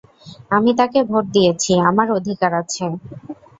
আমি তাকে ভোট দিয়েছি, আমার অধিকার আছে।